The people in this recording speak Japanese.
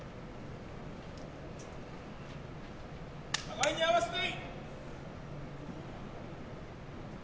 互いに合わせて。